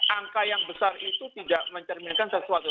angka yang besar itu tidak mencerminkan sesuatu